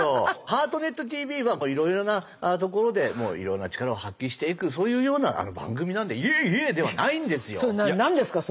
「ハートネットＴＶ」はいろいろなところでいろんな力を発揮していくそういうような番組なんで「イェーイェー」ではないんですよ。何ですか？